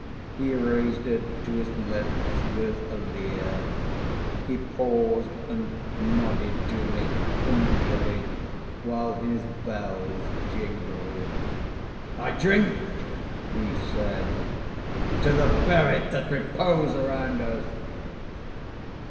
He raised it to his lips with a leer. He paused and nodded to me familiarly, while his bells jingled. "I drink," he said, "to the buried that repose around us."